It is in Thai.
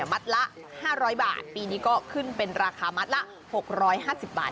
มัดละ๕๐๐บาทปีนี้ก็ขึ้นเป็นราคามัดละ๖๕๐บาท